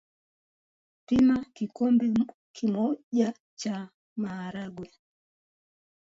Pima kikombe moja cha maharage